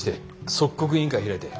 即刻委員会開いて。